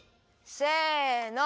せの。